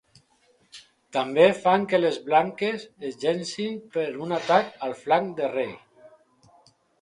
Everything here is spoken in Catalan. També fan que les blanques es llancin per un atac al flanc de rei.